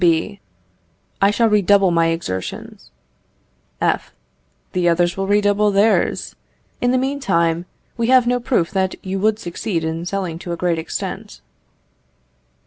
B. I shall redouble my exertions. F. The others will redouble theirs. In the meantime, we have no proof that you would succeed in selling to a great extent.